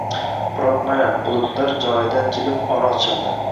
Biroq, mana, bulutlar joyidan jilib ora ochildi